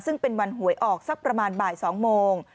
ซึ่งเป็นวันหวยออกสักประมาณบ่าย๒โมง